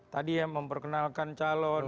tadi ya memperkenalkan calon